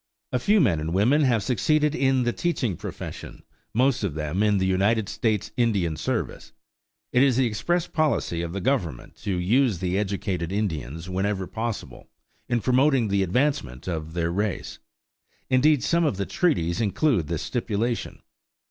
A few men and many women have succeeded in the teaching profession, most of them in the United States Indian Service. It is the express policy of the Government to use the educated Indians, whenever possible, in promoting the advancement of their race; indeed some of the treaties include this stipulation.